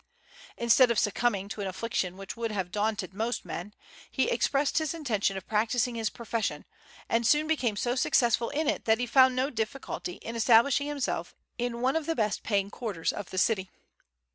Instead of succumbing to an affliction which would have daunted most men, he expressed his intention of practising his profession, and soon became so successful in it that he found no difficulty in establishing himself in one of the best paying quarters of the city.